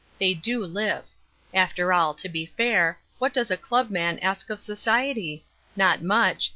They do live. After all, to be fair, what does a club man ask of society? Not much.